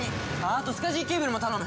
あとスカジーケーブルも頼む！